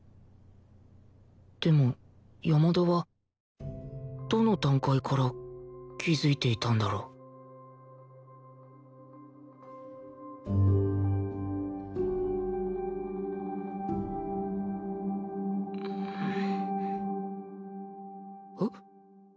でも山田はどの段階から気づいていたんだろうあっ。